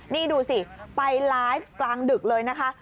นี่ดูสิไปไลฟ์กลางดึกเลยนะคะ